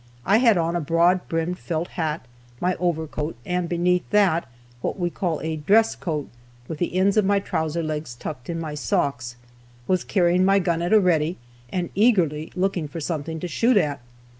I had on a broad brimmed felt hat, my overcoat, and beneath that what we called a "dress coat," with the ends of my trouser legs tucked in my socks; was carrying my gun at a ready, and eagerly looking for something to shoot at.